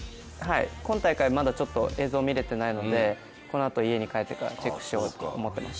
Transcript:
今大会、まだ映像見れてないのでこのあと家に帰ってからチェックしようと思っています。